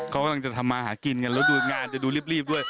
เขากำลังจะทำมาหากินกันแล้วดูงานจะดูรีบด้วย